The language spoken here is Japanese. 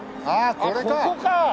ああこれか。